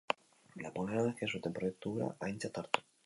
Napoleonek ez zuen proiektu hura aintzat hartu.